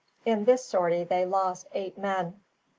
In this sortie they lost eight men.